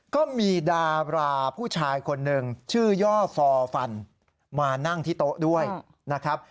ก็มีดาราผู้ชายคนหนึ่งชื่อย่อฟอร์ฟันมานั่งที่โต๊ะด้วยนะครับ